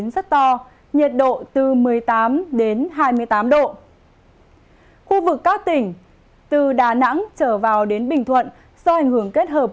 khu vực các tỉnh từ đà nẵng trở vào đến bình thuận do ảnh hưởng kết hợp